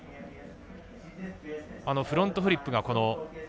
フロントフリップが。